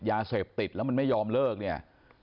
ยาเสพติดแล้วมันไม่ยอมเลิกเนี่ย